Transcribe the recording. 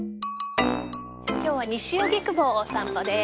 今日は西荻窪をお散歩です。